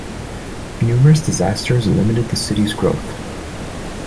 Numerous disasters limited the city's growth.